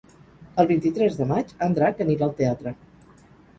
El vint-i-tres de maig en Drac anirà al teatre.